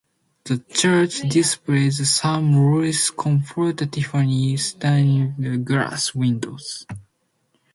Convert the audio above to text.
The church displays some Louis Comfort Tiffany stained glass windows.